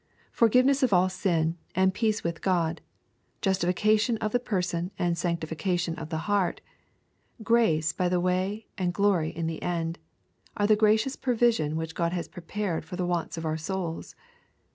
Forgive ness of all sin, and peace with God, — justification of the person, and sanctification of the heart, — ^grace by the way and glory in the end, — are the gracious provision which God has prepared for the wants of our souls.